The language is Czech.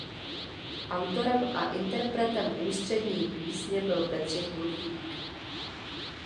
Autorem a interpretem ústřední písně byl Bedřich Ludvík.